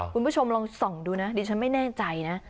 คุณผู้ชมลองส่องดูนะดิฉันไม่แน่ใจนะ